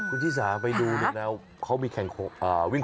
คุณที่สาไปดูนึงนะเขามีแข่งวิ่งขวาย